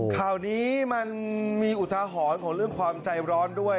ข่าวนี้มันมีอุทหรณ์ของเรื่องความใจร้อนด้วย